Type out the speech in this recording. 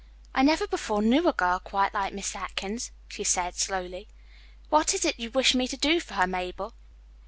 "I never before knew a girl quite like Miss Atkins," she said slowly. "What is it you wish me to do for her, Mabel?"